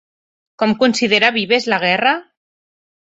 Com considera Vives la guerra?